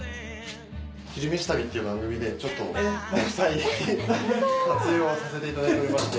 「昼めし旅」っていう番組で撮影をさせていただいておりまして。